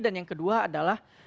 dan yang kedua adalah